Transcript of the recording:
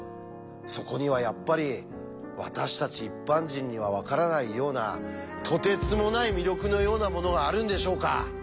そこにはやっぱり私たち一般人には分からないようなとてつもない魅力のようなものがあるんでしょうか？